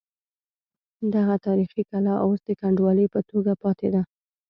دغه تاریخي کلا اوس د کنډوالې په توګه پاتې ده.